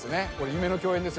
夢の共演です